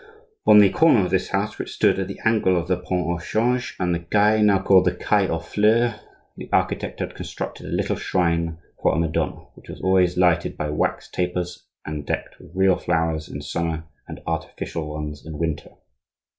On the corner of this house, which stood at the angle of the pont au Change and the quai now called the quai aux Fleurs, the architect had constructed a little shrine for a Madonna, which was always lighted by wax tapers and decked with real flowers in summer and artificial ones in winter.